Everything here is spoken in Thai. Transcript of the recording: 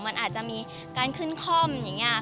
มันอาจจะมีการขึ้นคล่อมอย่างนี้ค่ะ